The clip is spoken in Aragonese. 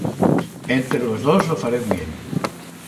Entre los dos lo farez bien.